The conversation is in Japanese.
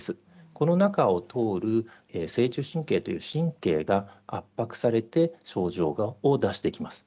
この中を通る「正中神経」という神経が圧迫されて症状を出してきます。